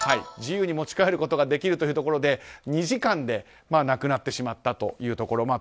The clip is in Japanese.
自由に持ち帰ることができるということで２時間でなくなってしまったというところ。